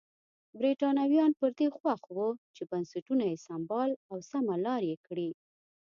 برېټانویان پر دې خوښ وو چې بنسټونه یې سمبال او سمه لار یې کړي.